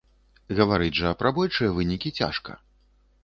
Гаварыць жа пра большыя вынікі цяжка.